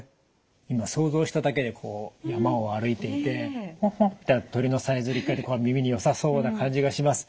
今想像しただけでこう山を歩いていてホッホッて鳥のさえずり聞こえてこう耳によさそうな感じがします。